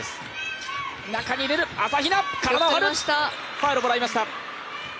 ファウルもらいました。